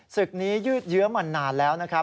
ศึกนี้ยืดเยื้อมานานแล้วนะครับ